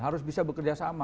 harus bisa bekerja sama